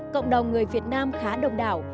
cộng đồng người việt nam khá độc đảo